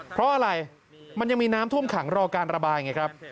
เพราะอะไรมันยังมีน้ำท่วมขังรอการระบายไงครับ